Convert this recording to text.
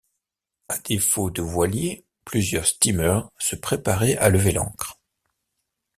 À défaut de voiliers, plusieurs steamers se préparaient à lever l’ancre.